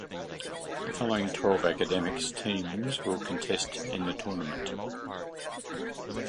The following twelve academics teams will contest in the tournament.